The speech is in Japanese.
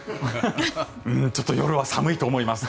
ちょっと夜は寒いと思います。